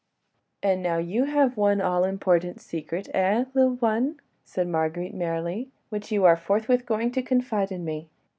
"And now you have one all important secret, eh, little one?" said Marguerite, merrily, "which you are forthwith going to confide to me.